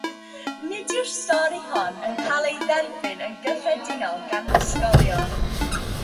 Nid yw'r stori hon yn cael ei derbyn yn gyffredinol gan ysgolheigion.